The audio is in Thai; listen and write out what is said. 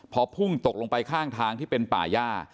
พอพุ่งตกลงไปข้างทางที่เป็นป่าย่า